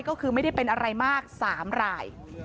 ก็คือไม่ได้เป็นอะไรมาก๓ราย